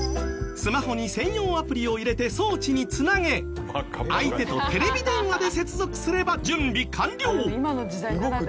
スマホに専用アプリを入れて装置に繋げ相手とテレビ電話で接続すれば準備完了。